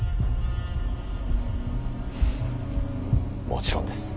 もちろんです。